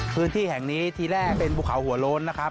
พื้นที่แห่งนี้ทีแรกเป็นภูเขาหัวโล้นนะครับ